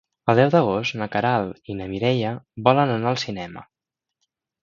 El deu d'agost na Queralt i na Mireia volen anar al cinema.